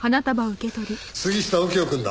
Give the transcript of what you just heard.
杉下右京くんだ。